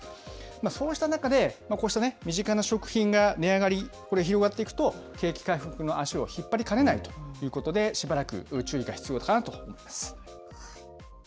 そうした中で、こうした身近な食品が値上がり、これ、広がっていくと、景気回復の足を引っ張りかねないということで、しばらく注意が必要かなと思います。